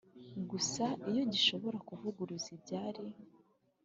gusa iyo gishobora kuvuguruza ibyari